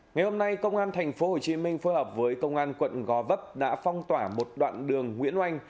ngày hôm nay công an tp hcm phối hợp với công an quận gò vấp đã phong tỏa một đoạn đường nguyễn oanh